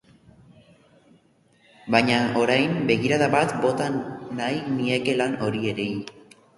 Baina orain begirada bat bota nahi nieke lan horiei.